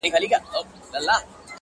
• په خپل کور کي یې پردی پر زورور دی,